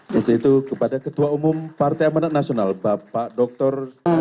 yaitu kepada ketua umum partai amanat nasional bapak dr